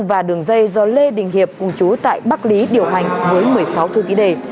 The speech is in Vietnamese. và đường dây do lê đình hiệp cùng chú tại bắc lý điều hành với một mươi sáu thư ký đề